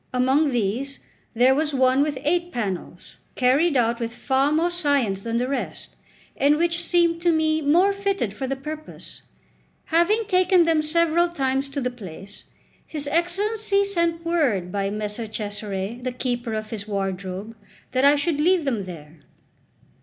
Among these there was one with eight panels, carried out with far more science than the rest, and which seemed to me more fitted for the purpose. Having taken them several times to the place, his Excellency sent word by Messer Cesare, the keeper of his wardrobe, that I should leave them there.